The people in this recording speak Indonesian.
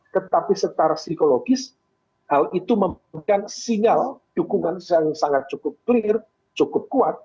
tetapi secara psikologis hal itu memberikan sinyal dukungan yang sangat cukup clear cukup kuat